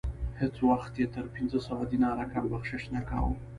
هیڅ وخت یې تر پنځه سوه دیناره کم بخشش نه کاوه.